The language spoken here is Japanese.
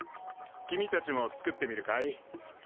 君たちも作ってみるかい？